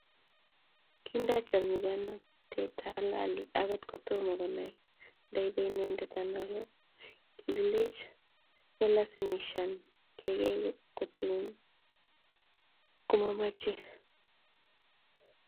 kindacham nyikanatet halali akot kotoma konai ndoibe inendet analo, kikilech melasimishan geikotunin kotkomechame